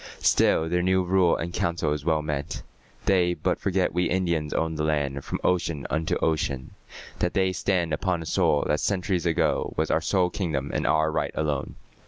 Still their new rule and council is well meant. They but forget we Indians owned the land From ocean unto ocean; that they stand Upon a soil that centuries agone Was our sole kingdom and our right alone.